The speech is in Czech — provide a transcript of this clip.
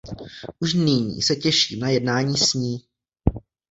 Už nyní se těším na jednání s ní!